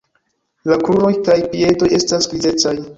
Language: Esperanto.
La kruroj kaj piedoj estas grizecaj.